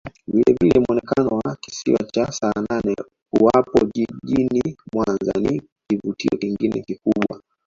Vilevile muonekano wa Kisiwa cha Saanane uwapo jijini Mwanza ni kivutio kingine kikubwa